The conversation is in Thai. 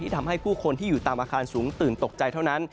ทำให้ผู้คนที่อยู่ตามอาคารสูงตื่นตกใจเท่านั้น